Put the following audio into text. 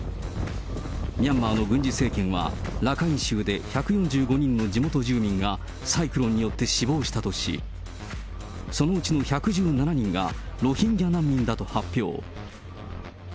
ミャンマーの軍事政権はラカイン州で１４５人の地元住民がサイクロンによって死亡したとし、そのうちの１１７人がロヒンギャ難民だと発表。